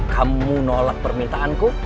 kamu nolak permintaanku